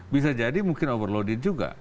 bisa jadi mungkin overloading juga